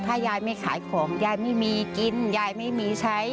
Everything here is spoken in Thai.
ถ้ายายไม่ขายของยายไม่มีกินยายไม่มีใช้